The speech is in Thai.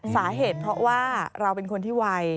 สาเหตุเพราะว่าเราเป็นคนที่ไว